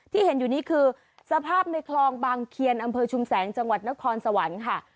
ที่เห็นอยู่นี้คือสภาพในคลองบางเคียนอำเภอชุมแสงจังหวัดนครสวรรค์ค่ะ